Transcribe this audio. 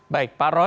baik pak roy